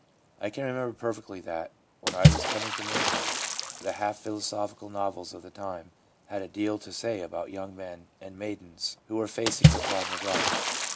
I can remember perfectly that, when I was coming to manhood, the half philosophical novels of the time had a deal to say about the young men and maidens who were facing the "problem of life."